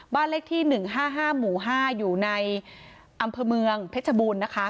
บ้านเลขที่๑๕๕หมู่๕อยู่ในอำเภอเมืองเพชรบูรณ์นะคะ